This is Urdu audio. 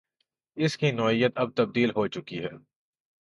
اس کی نوعیت اب تبدیل ہو چکی ہے۔